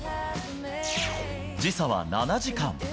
時差は７時間。